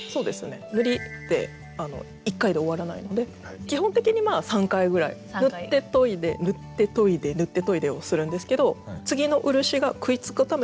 塗りって１回で終わらないので基本的にまあ３回ぐらい塗って研いで塗って研いで塗って研いでをするんですけど次の漆が食いつくために研ぐんです。